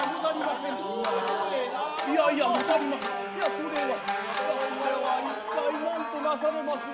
これは一体何となされまする。